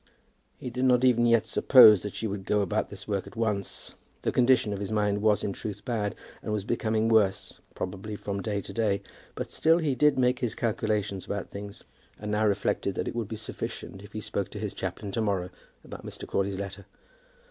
He did not even yet suppose that she would go about this work at once. The condition of his mind was in truth bad, and was becoming worse, probably, from day to day; but still he did make his calculations about things, and now reflected that it would be sufficient if he spoke to his chaplain to morrow about Mr. Crawley's letter.